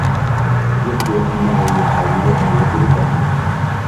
يبدو أنّه يحاول أن يقلقني.